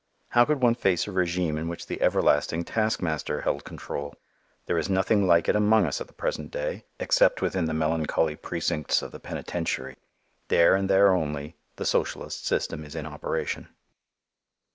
How could one face a régime in which the everlasting taskmaster held control? There is nothing like it among us at the present day except within the melancholy precincts of the penitentiary. There and there only, the socialist system is in operation.